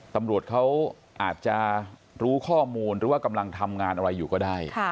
ตำรวจเขาอาจจะรู้ข้อมูลหรือว่ากำลังทำงานอะไรอยู่ก็ได้